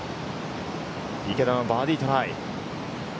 池田のバーディートライ。